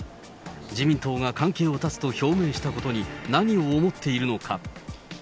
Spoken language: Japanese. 自民党が関係を断つと表明したことに何を思っているのか。